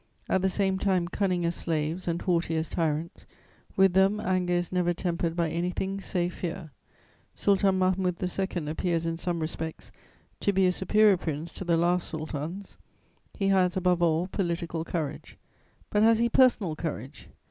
At the same time cunning as slaves and haughty as tyrants, with them anger is never tempered by anything save fear. Sultan Mahmud II. appears, in some respects, to be a superior prince to the last sultans; he has, above all, political courage; but has he personal courage?